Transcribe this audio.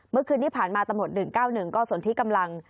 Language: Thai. เมื่อคืนที่ผ่านมาตำรวจ๑๙๑ก็ส่วนที่กำลัง